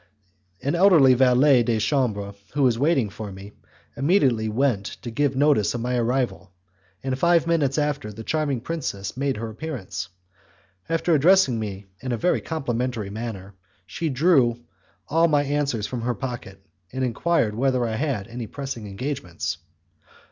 An elderly valet de chambre, who was waiting for me, immediately went to give notice of my arrival, and five minutes after the charming princess made her appearance. After addressing me in a very complimentary manner, she drew all my answers from her pocket, and enquired whether I had any pressing engagements.